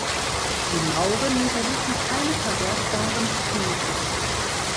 Die Mauren hinterließen keine verwertbaren Spuren.